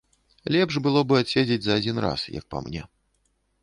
Лепш было бы адседзець за адзін раз, як па мне.